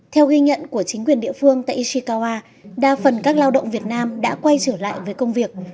theo ghi nhận của chính quyền địa phương tại ishikawa đa phần các lao động việt nam đã quay trở lại với công việc